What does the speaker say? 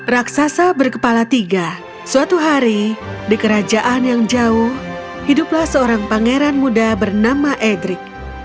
raksasa berkepala tiga suatu hari di kerajaan yang jauh hiduplah seorang pangeran muda bernama edric